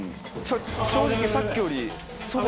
正直さっきよりソファ